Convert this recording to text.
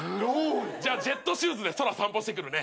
じゃあジェットシューズで空散歩してくるね。